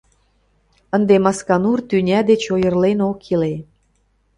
Ынде Масканур тӱня деч ойырлен ок иле.